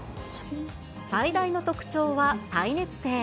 最大の特徴は耐熱性。